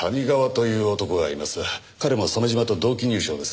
彼も鮫島と同期入省です。